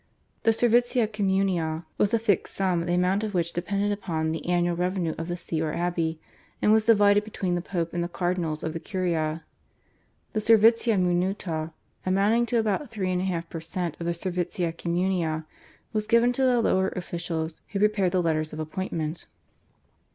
The /servitia communia/ was a fixed sum the amount of which depended upon the annual revenue of the See or abbey, and was divided between the Pope and the cardinals of the Curia. The /servitia minuta/, amounting to about 3 1/2 per cent. of the /servitia communia/, was given to the lower officials, who prepared the letters of appointment.